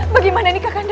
bagaimana ini kak kanda